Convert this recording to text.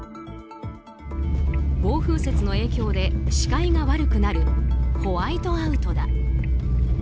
暴風雪の影響で視界が悪くなるホワイトアウトだ。